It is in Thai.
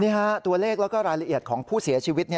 ตัวเลขแล้วก็รายละเอียดของผู้เสียชีวิต